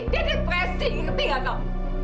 dia depresi ngerti gak kamu